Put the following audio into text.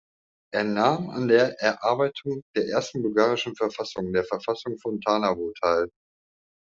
Er nahm an der Erarbeitung der ersten bulgarischen Verfassung, der „Verfassung von Tarnowo“ teil.